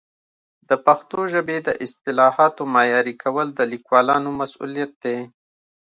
د پښتو ژبې د اصطلاحاتو معیاري کول د لیکوالانو مسؤلیت دی.